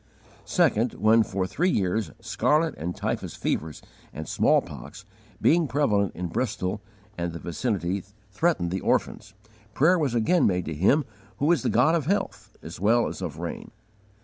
Second, when, for three years, scarlet and typhus fevers and smallpox, being prevalent in Bristol and the vicinity threatened the orphans, prayer was again made to Him who is the God of health as well as of rain.